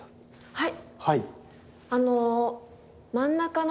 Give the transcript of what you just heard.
はい！